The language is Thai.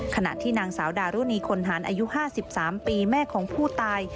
ขณะที่นางสาวดารุณีคนหารอายุ๕๓ปีแม่ของผู้ตาย